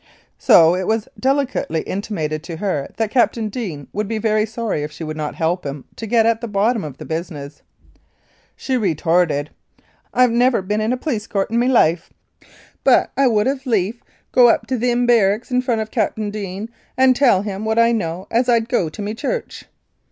So it was delicately intimated to her that Captain Deane would be very sorry if she would not help him to get at the bottom of the business. She retorted: "I've never been in a P'lice Court in me life, but I would as 69 Mounted Police Life in Canada lief go up to thim barricks in front of Captain Deane and tell him what I know as I'd go to me church."